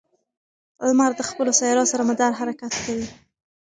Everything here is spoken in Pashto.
لمر د خپلو سیارو سره مدار حرکت کوي.